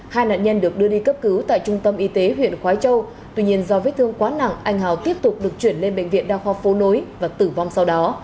hai nạn nhân được đưa đi cấp cứu tại trung tâm y tế huyện khói châu tuy nhiên do vết thương quá nặng anh hào tiếp tục được chuyển lên bệnh viện đa khoa phố nối và tử vong sau đó